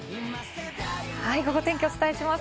ゴゴ天気をお伝えします。